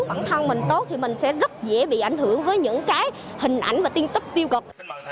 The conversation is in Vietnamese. bản thân mình tốt thì mình sẽ rất dễ bị ảnh hưởng với những cái hình ảnh và tin tức tiêu cực